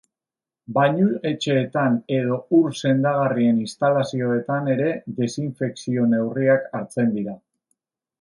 Bainuetxeetan edo ur sendagarrien instalazioetan ere desinfekzio-neurriak hartzen dira.